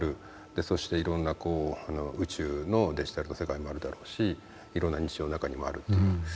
そしていろんな宇宙のデジタルの世界もあるだろうしいろんな日常の中にもあるっていう。